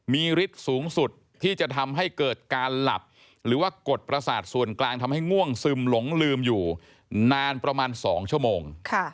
มีฤทธิ์สูงสุดที่จะทำให้เกิดการหลับหรือว่ากดประสาทส่วนกลางทำให้ง่วงซึมหลงลืมอยู่นานประมาณ๒ชั่วโมง